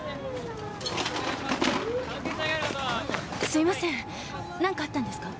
すいません何かあったんですか？